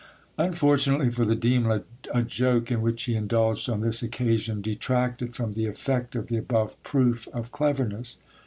Unfortunately for the demon, a joke in which he indulged on this occasion detracted from the effect of the above proof of cleverness.